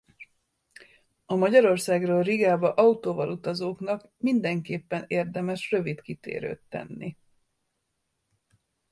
A Magyarországról Rigába autóval utazóknak mindenképpen érdemes rövid kitérőt tenni.